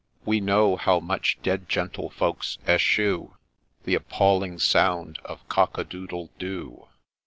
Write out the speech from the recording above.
— We know how much dead gentlefolks eschew The appalling sound of ' Cock a doodle do !